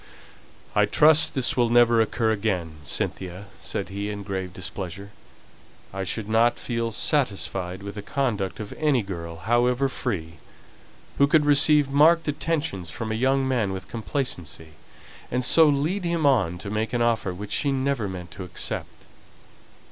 "I trust this will never occur again, Cynthia!" said he, in grave displeasure. "I should not feel satisfied with the conduct of any girl, however free, who could receive marked attentions from a young man with complacency, and so lead him on to make an offer which she never meant to accept.